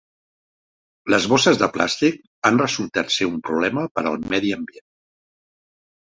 Les bosses de plàstic han resultat ser un problema per al medi ambient.